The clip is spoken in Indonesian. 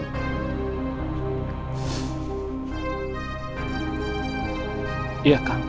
menyelamatkan keluarga kamu